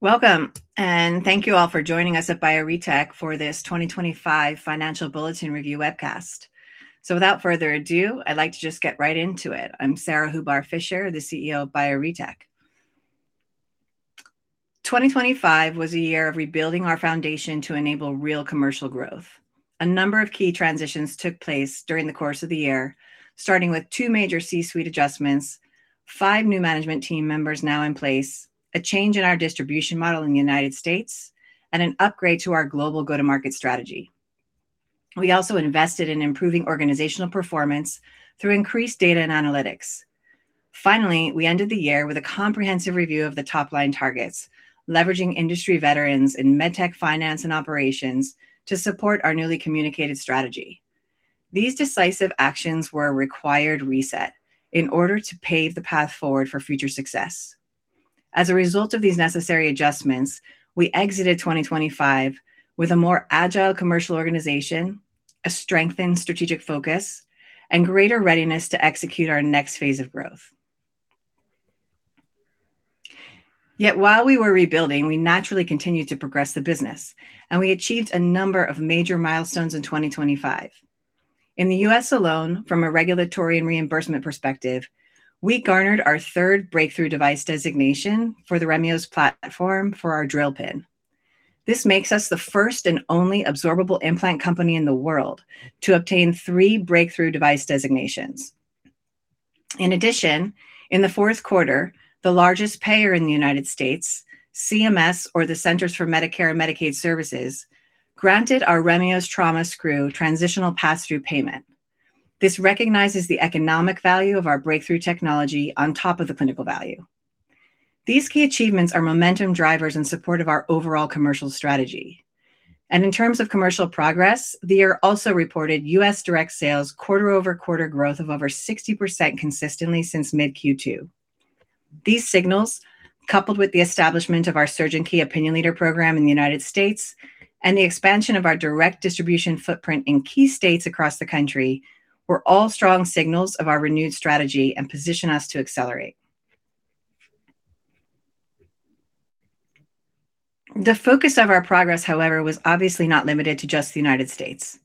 Welcome, and thank you all for joining us at Bioretec for this 2025 financial bulletin review webcast. Without further ado, I'd like to just get right into it. I'm Sarah van Hellenberg Hubar-Fisher, the CEO of Bioretec. 2025 was a year of rebuilding our foundation to enable real commercial growth. A number of key transitions took place during the course of the year, starting with two major C-suite adjustments, five new management team members now in place, a change in our distribution model in the United States, and an upgrade to our global go-to-market strategy. We also invested in improving organizational performance through increased data and analytics. Finally, we ended the year with a comprehensive review of the top-line targets, leveraging industry veterans in medtech, finance, and operations to support our newly communicated strategy. These decisive actions were a required reset in order to pave the path forward for future success. As a result of these necessary adjustments, we exited 2025 with a more agile commercial organization, a strengthened strategic focus, and greater readiness to execute our next phase of growth. Yet, while we were rebuilding, we naturally continued to progress the business, and we achieved a number of major milestones in 2025. In the U.S. alone, from a regulatory and reimbursement perspective, we garnered our third Breakthrough Device Designation for the RemeOs platform for our DrillPin. This makes us the first and only absorbable implant company in the world to obtain three Breakthrough Device Designations. In addition, in the fourth quarter, the largest payer in the United States, CMS, or the Centers for Medicare and Medicaid Services, granted our RemeOs Trauma Screw Transitional Pass-Through Payment. This recognizes the economic value of our breakthrough technology on top of the clinical value. These key achievements are momentum drivers in support of our overall commercial strategy. In terms of commercial progress, the year also reported U.S. direct sales quarter-over-quarter growth of over 60% consistently since mid-Q2. These signals, coupled with the establishment of our surgeon Key Opinion Leader program in the United States and the expansion of our direct distribution footprint in key states across the country, were all strong signals of our renewed strategy and position us to accelerate. The focus of our progress, however, was obviously not limited to just the United States.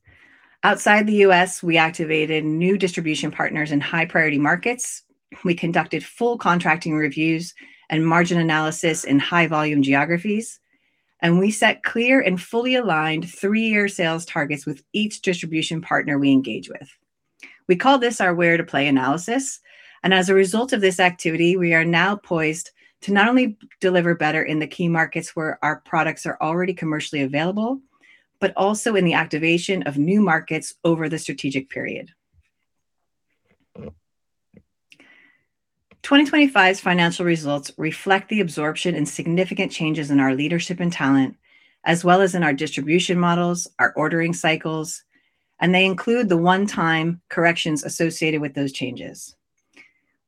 Outside the U.S., we activated new distribution partners in high-priority markets, we conducted full contracting reviews and margin analysis in high-volume geographies, and we set clear and fully aligned three-year sales targets with each distribution partner we engage with. We call this our where-to-play analysis, and as a result of this activity, we are now poised to not only deliver better in the key markets where our products are already commercially available, but also in the activation of new markets over the strategic period. 2025's financial results reflect the absorption and significant changes in our leadership and talent, as well as in our distribution models, our ordering cycles, and they include the one-time corrections associated with those changes.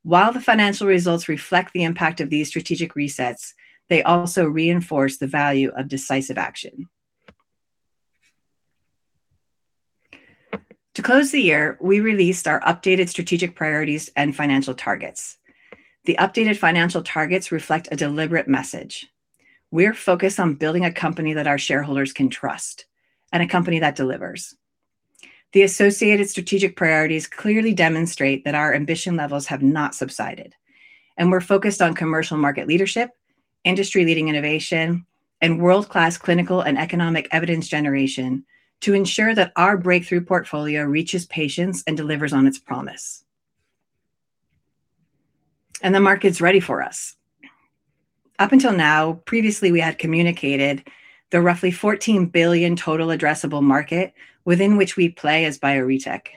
While the financial results reflect the impact of these strategic resets, they also reinforce the value of decisive action. To close the year, we released our updated strategic priorities and financial targets. The updated financial targets reflect a deliberate message. We're focused on building a company that our shareholders can trust and a company that delivers. The associated strategic priorities clearly demonstrate that our ambition levels have not subsided, and we're focused on commercial market leadership, industry-leading innovation, and world-class clinical and economic evidence generation to ensure that our breakthrough portfolio reaches patients and delivers on its promise. The market's ready for us. Up until now, previously, we had communicated the roughly $14 billion total addressable market within which we play as Bioretec,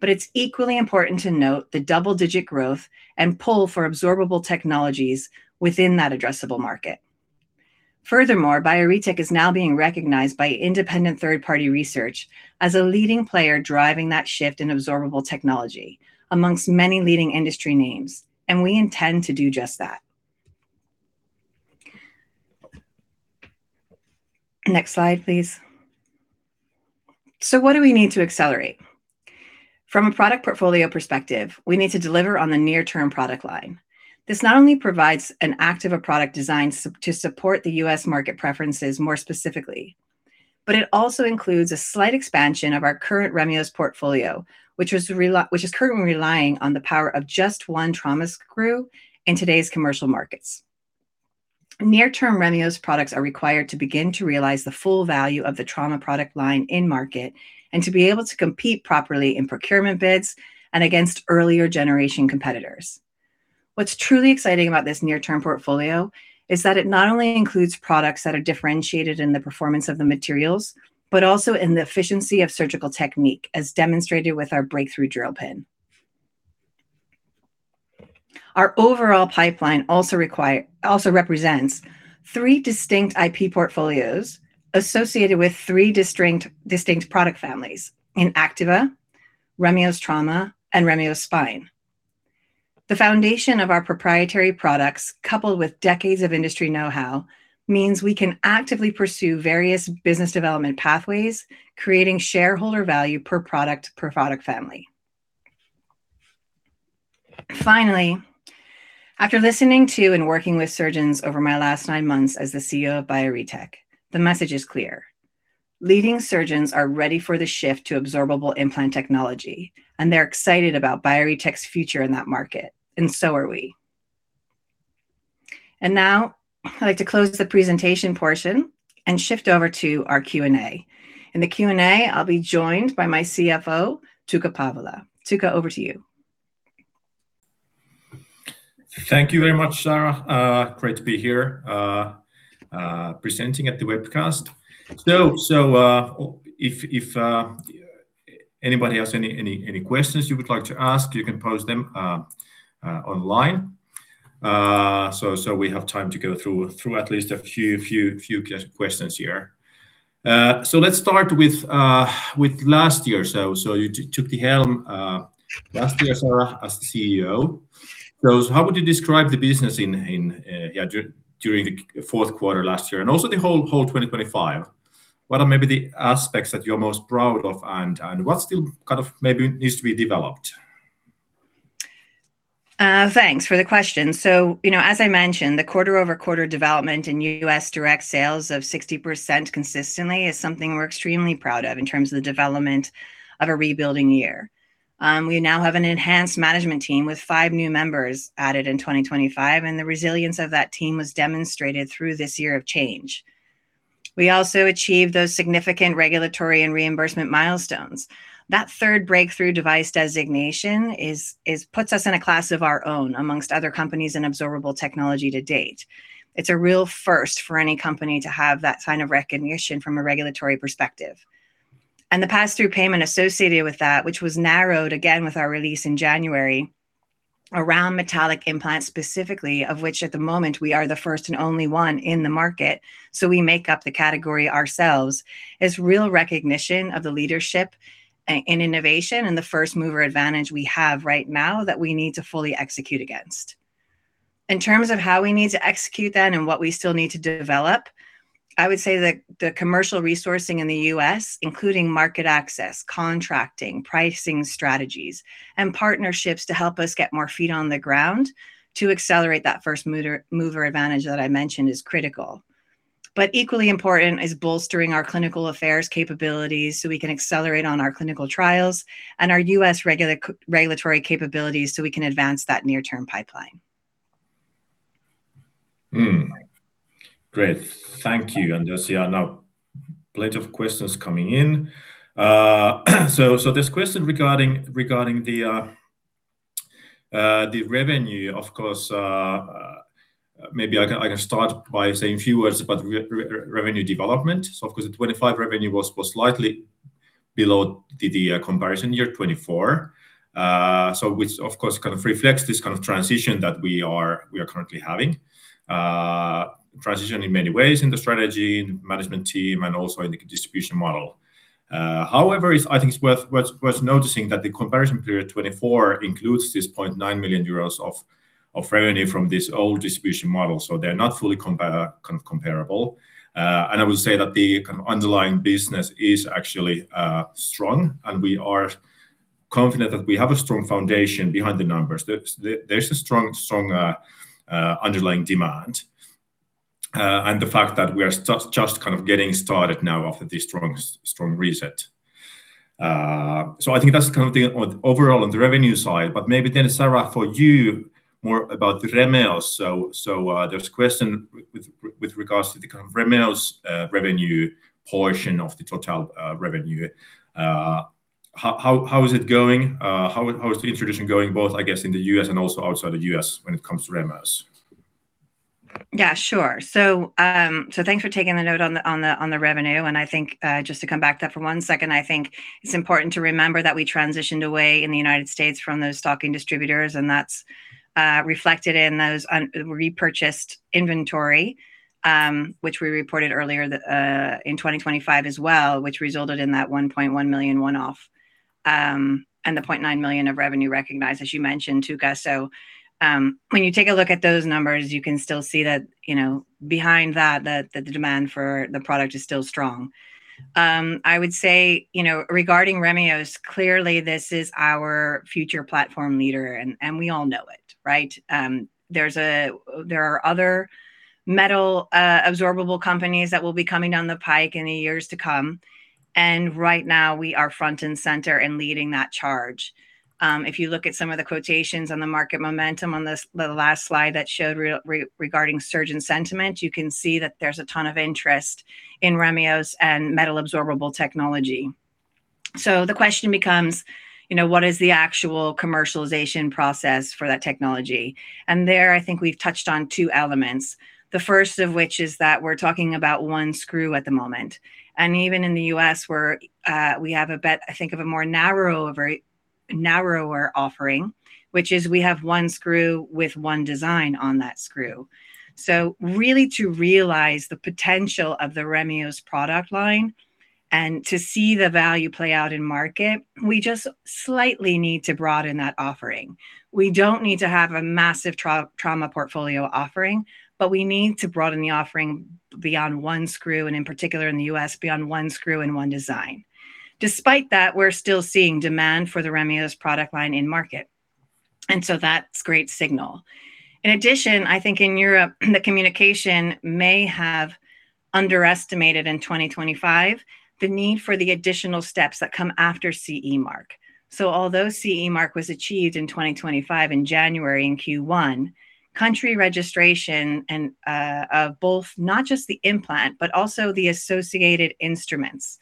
but it's equally important to note the double-digit growth and pull for absorbable technologies within that addressable market. Furthermore, Bioretec is now being recognized by independent third-party research as a leading player, driving that shift in absorbable technology amongst many leading industry names, and we intend to do just that. Next slide, please. What do we need to accelerate? From a product portfolio perspective, we need to deliver on the near-term product line. This not only provides an active product design support to support the U.S. market preferences more specifically, but it also includes a slight expansion of our current RemeOs portfolio, which is currently relying on the power of just one trauma screw in today's commercial markets. Near-term RemeOs products are required to begin to realize the full value of the trauma product line in market and to be able to compete properly in procurement bids and against earlier generation competitors. What's truly exciting about this near-term portfolio is that it not only includes products that are differentiated in the performance of the materials, but also in the efficiency of surgical technique, as demonstrated with our breakthrough DrillPin. Our overall pipeline also represents three distinct IP portfolios associated with three distinct product families: Activa, RemeOs Trauma, and RemeOs Spine. The foundation of our proprietary products, coupled with decades of industry know-how, means we can actively pursue various business development pathways, creating shareholder value per product, per product family. Finally, after listening to and working with surgeons over my last nine months as the CEO of Bioretec, the message is clear: leading surgeons are ready for the shift to absorbable implant technology, and they're excited about Bioretec's future in that market, and so are we. Now, I'd like to close the presentation portion and shift over to our Q&A. In the Q&A, I'll be joined by my CFO, Tuukka Paavola. Tuukka, over to you. Thank you very much, Sarah. Great to be here, presenting at the webcast. So, if anybody has any questions you would like to ask, you can post them online. So, we have time to go through at least a few questions here. So, let's start with last year. So, you took the helm last year, Sarah, as the CEO. So, how would you describe the business during the fourth quarter last year, and also the whole 2025? What are maybe the aspects that you're most proud of, and what still kind of maybe needs to be developed? Thanks for the question. So, you know, as I mentioned, the quarter-over-quarter development in U.S. direct sales of 60% consistently is something we're extremely proud of in terms of the development of a rebuilding year. We now have an enhanced management team with five new members added in 2025, and the resilience of that team was demonstrated through this year of change. We also achieved those significant regulatory and reimbursement milestones. That third Breakthrough Device Designation puts us in a class of our own amongst other companies in absorbable technology to date. It's a real first for any company to have that sign of recognition from a regulatory perspective. The pass-through payment associated with that, which was narrowed again with our release in January, around metallic implants, specifically, of which at the moment we are the first and only one in the market, so we make up the category ourselves, is real recognition of the leadership in innovation and the first-mover advantage we have right now that we need to fully execute against. In terms of how we need to execute then and what we still need to develop, I would say that the commercial resourcing in the U.S., including market access, contracting, pricing strategies, and partnerships to help us get more feet on the ground to accelerate that first-mover advantage that I mentioned, is critical. Equally important is bolstering our clinical affairs capabilities so we can accelerate on our clinical trials and our U.S. regulatory capabilities so we can advance that near-term pipeline. Hmm. Great. Thank you. And there's, yeah, now plenty of questions coming in. So this question regarding, regarding the revenue, of course, maybe I can start by saying a few words about revenue development. So of course, the 2025 revenue was slightly below the comparison year, 2024. Which, of course, kind of reflects this kind of transition that we are currently having. Transition in many ways in the strategy, in management team, and also in the distribution model. However, it's. I think it's worth noticing that the comparison period, 2024, includes this 0.9 million euros of revenue from this old distribution model, so they're not fully kind of comparable. And I would say that the kind of underlying business is actually strong, and we are confident that we have a strong foundation behind the numbers. There's a strong underlying demand, and the fact that we are just kind of getting started now after this strong reset. So I think that's kind of the overall on the revenue side, but maybe then, Sarah, for you, more about the RemeOs. So there's a question with regards to the kind of RemeOs revenue portion of the total revenue. How is it going? How is the introduction going, both, I guess, in the U.S. and also outside the U.S. when it comes to RemeOs? Yeah, sure. So thanks for taking the note on the revenue, and I think just to come back to that for one second, I think it's important to remember that we transitioned away in the United States from those stocking distributors, and that's reflected in those unrepurchased inventory, which we reported earlier in 2025 as well, which resulted in that 1.1 million one-off and the 0.9 million of revenue recognized, as you mentioned, Tuukka. So when you take a look at those numbers, you can still see that, you know, behind that the demand for the product is still strong. I would say, you know, regarding RemeOs, clearly, this is our future platform leader, and we all know it, right? There are other metal absorbable companies that will be coming down the pike in the years to come, and right now we are front and center in leading that charge. If you look at some of the quotations on the market momentum on this, the last slide that showed regarding surgeon sentiment, you can see that there's a ton of interest in RemeOs and metal absorbable technology. So the question becomes, you know, what is the actual commercialization process for that technology? And there, I think we've touched on two elements. The first of which is that we're talking about one screw at the moment, and even in the U.S., we're we have a bit, I think of a more narrow, a very narrower offering, which is we have one screw with one design on that screw. So really, to realize the potential of the RemeOs product line and to see the value play out in market, we just slightly need to broaden that offering. We don't need to have a massive trauma portfolio offering, but we need to broaden the offering beyond one screw, and in particular, in the U.S., beyond one screw and one design. Despite that, we're still seeing demand for the RemeOs product line in market and so that's great signal. In addition, I think in Europe, the communication may have underestimated in 2025 the need for the additional steps that come after CE mark. So although CE mark was achieved in 2025 in January, in Q1, country registration and of both, not just the implant, but also the associated instruments.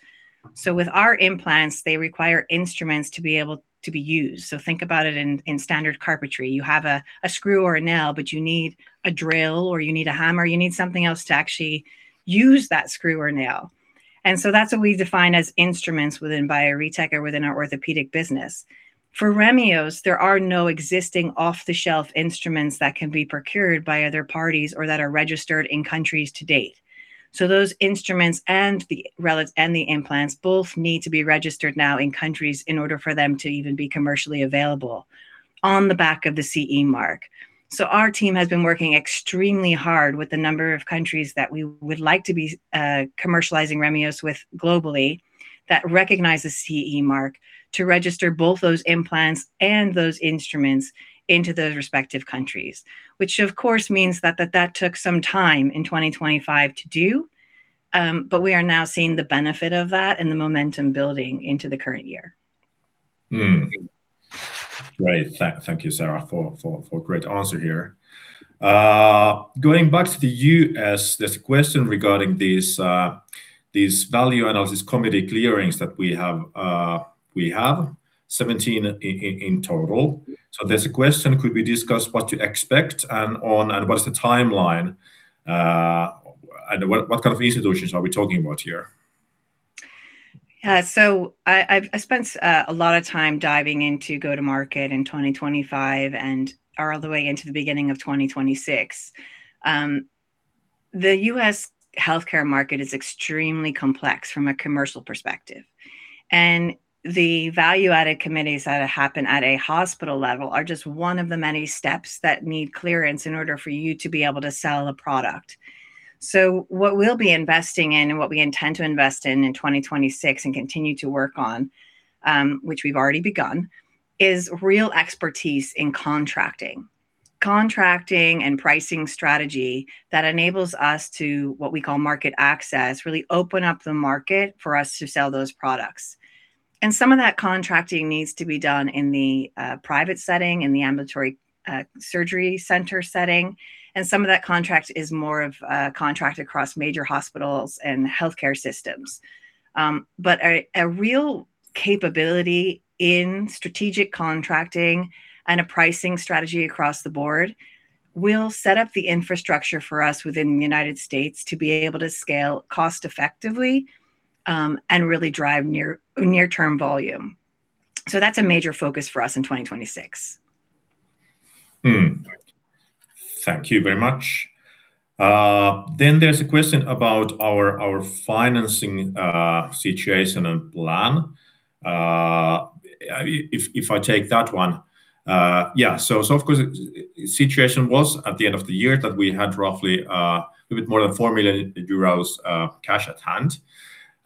So with our implants, they require instruments to be able to be used. So think about it in standard carpentry. You have a screw or a nail, but you need a drill, or you need a hammer, you need something else to actually use that screw or nail. And so that's what we define as instruments within Bioretec or within our orthopedic business. For RemeOs, there are no existing off-the-shelf instruments that can be procured by other parties or that are registered in countries to date. So those instruments and the related and the implants both need to be registered now in countries in order for them to even be commercially available on the back of the CE mark. So our team has been working extremely hard with the number of countries that we would like to be commercializing RemeOs with globally, that recognize the CE mark, to register both those implants and those instruments into those respective countries. Which, of course, means that that took some time in 2025 to do, but we are now seeing the benefit of that and the momentum building into the current year. Great. Thank you, Sarah, for a great answer here. Going back to the U.S., there's a question regarding these value analysis committee clearings that we have, we have 17 in total. So there's a question: Could we discuss what you expect and what is the timeline, and what kind of institutions are we talking about here? So I spent a lot of time diving into go-to-market in 2025 and all the way into the beginning of 2026. The U.S. healthcare market is extremely complex from a commercial perspective, and the value analysis committees that happen at a hospital level are just one of the many steps that need clearance in order for you to be able to sell a product. So what we'll be investing in, and what we intend to invest in in 2026 and continue to work on, which we've already begun, is real expertise in contracting. Contracting and pricing strategy that enables us to, what we call market access, really open up the market for us to sell those products. Some of that contracting needs to be done in the private setting, in the ambulatory surgery center setting, and some of that contract is more of a contract across major hospitals and healthcare systems. But a real capability in strategic contracting and a pricing strategy across the board will set up the infrastructure for us within the United States to be able to scale cost-effectively and really drive near-term volume. So that's a major focus for us in 2026. Hmm. Thank you very much. Then there's a question about our financing situation and plan. If I take that one, yeah, so of course, the situation was at the end of the year that we had roughly a little bit more than 4 million euros cash at hand.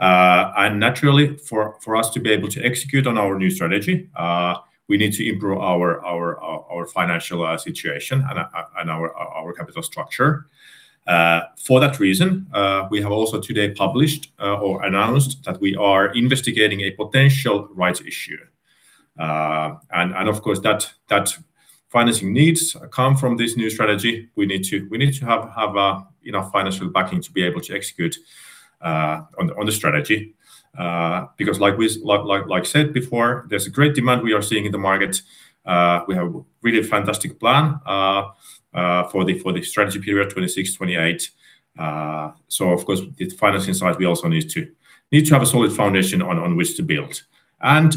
And naturally, for us to be able to execute on our new strategy, we need to improve our financial situation and our capital structure. For that reason, we have also today published, or announced, that we are investigating a potential rights issue. And of course, that financing needs come from this new strategy. We need to, we need to have, have, you know, financial backing to be able to execute on the strategy. Because, like I said before, there's a great demand we are seeing in the market. We have a really fantastic plan for the strategy period 2026-2028. So of course, with financing side, we also need to have a solid foundation on which to build.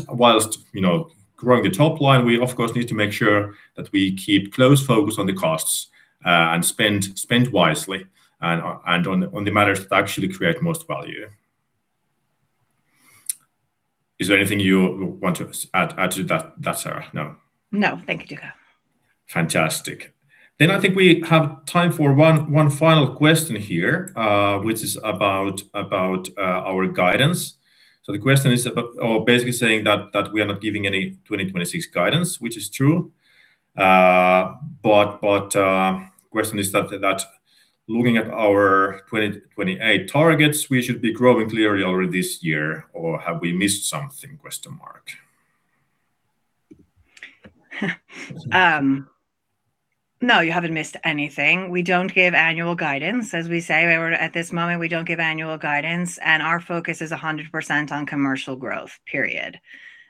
While, you know, growing the top line, we, of course, need to make sure that we keep close focus on the costs and spend wisely, and on the matters that actually create most value. Is there anything you want to add to that, Sarah? No. No. Thank you, Tuukka. Fantastic. Then I think we have time for one final question here, which is about our guidance. So the question is or basically saying that we are not giving any 2026 guidance, which is true. But question is that looking at our 2028 targets, we should be growing clearly over this year, or have we missed something? No, you haven't missed anything. We don't give annual guidance. As we say, we're at this moment, we don't give annual guidance, and our focus is 100% on commercial growth, period.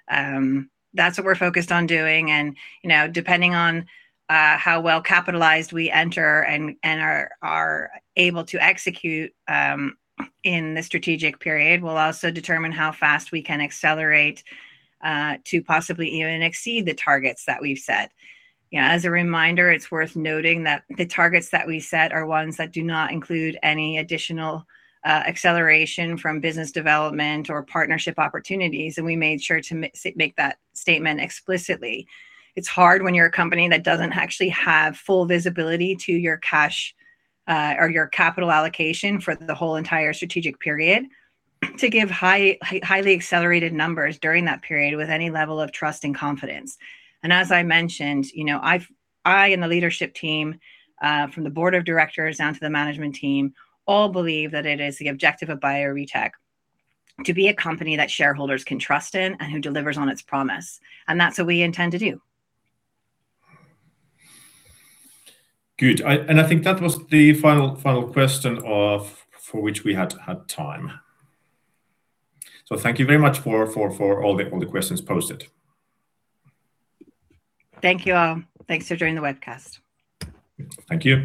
That's what we're focused on doing, and, you know, depending on how well capitalized we enter and are able to execute in the strategic period, will also determine how fast we can accelerate to possibly even exceed the targets that we've set. Yeah, as a reminder, it's worth noting that the targets that we set are ones that do not include any additional acceleration from business development or partnership opportunities, and we made sure to make that statement explicitly. It's hard when you're a company that doesn't actually have full visibility to your cash, or your capital allocation for the whole entire strategic period, to give high, highly accelerated numbers during that period with any level of trust and confidence. And as I mentioned, you know, I and the leadership team, from the board of directors down to the management team, all believe that it is the objective of Bioretec to be a company that shareholders can trust in and who delivers on its promise, and that's what we intend to do. Good. And I think that was the final question for which we had time. So thank you very much for all the questions posted. Thank you, all. Thanks for joining the webcast. Thank you.